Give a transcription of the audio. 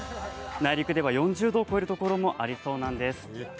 内陸では４０度を超えるところもありそうです。